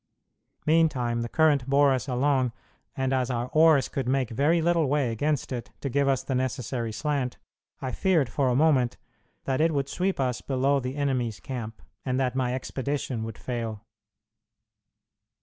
Meantime the current bore us along, and as our oars could make very little way against it to give us the necessary slant, I feared for a moment that it would sweep us below the enemy's camp, and that my expedition would fail.